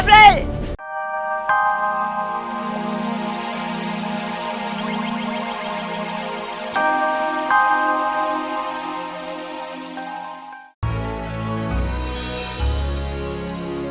obat ini obat mujarab